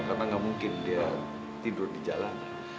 karena gak mungkin dia tidur di jalan